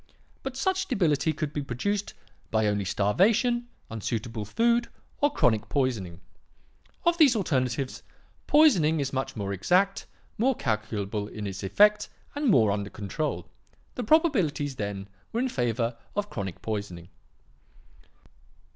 But such debility could be produced by only starvation, unsuitable food, or chronic poisoning. Of these alternatives, poisoning is much more exact, more calculable in its effect and more under control. The probabilities, then, were in favour of chronic poisoning.